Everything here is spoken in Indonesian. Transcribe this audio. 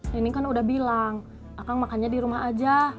neneng kan udah bilang akang makannya di rumah aja